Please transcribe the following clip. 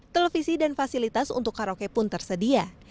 televisi dan fasilitas untuk karaoke pun tersedia